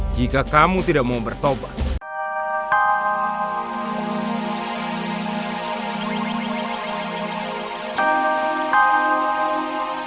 jika kamu tidak mau bertobat